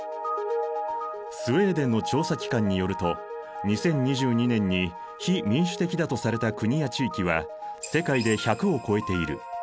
スウェーデンの調査機関によると２０２２年に非民主的だとされた国や地域は世界で１００を超えている。